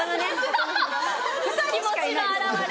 気持ちの表れ？